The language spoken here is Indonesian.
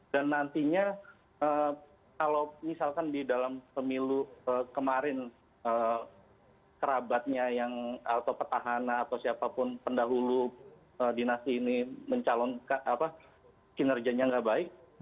dan nantinya kalau misalkan di dalam pemilu kemarin kerabatnya yang atau petahana atau siapapun pendahulu adinasi ini mencalon kinerjanya tidak baik